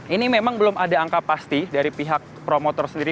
ini memang belum ada angka pasti dari pihak promotor sendiri